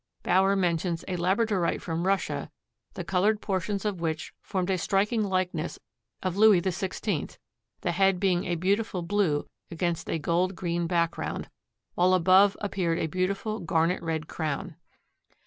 Bauer mentions a labradorite from Russia the colored portions of which formed a striking likeness of Louis XVI, the head being a beautiful blue against a gold green background, while above appeared a beautiful garnet red crown.